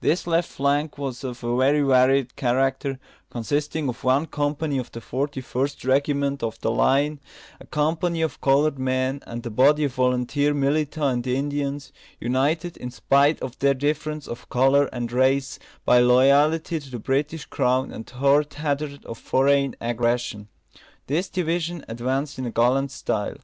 This left flank was of a very varied character, consisting of one company of the Forty first Regiment of the line, a company of coloured men, and a body of volunteer militia and Indians, united, in spite of their difference of colour and race, by loyalty to the British crown and heart hatred of foreign aggression. This division advanced in gallant style.